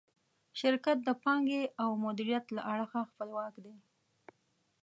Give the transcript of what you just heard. شرکت د پانګې او مدیریت له اړخه خپلواک دی.